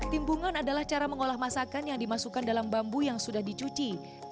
timbungan adalah cara mengolah masakan yang dimasukkan dalam bambu yang sudah dicuci